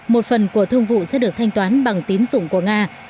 một phần của thương vụ sẽ được thanh toán bằng tín dụng của nga